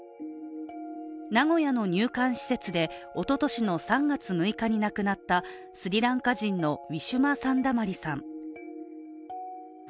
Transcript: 名古屋の入管施設でおととしの３月６日に亡くなったスリランカ人のウィシュマ・サンダマリさん。